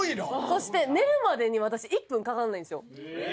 そして寝るまでに私１分かかんないんですよ。